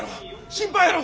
心配やろ。